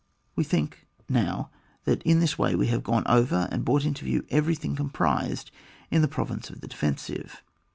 We think, now, that in this way we have gone over and brought into view everything comprised in the province of the defensive.